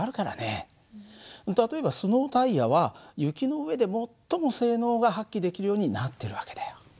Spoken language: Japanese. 例えばスノータイヤは雪の上で最も性能が発揮できるようになってる訳だよ。